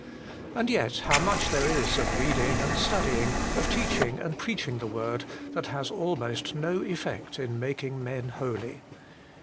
And yet how much there is of reading and studying, of teaching and preaching the word, that has almost no effect in making men holy.